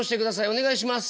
お願いします。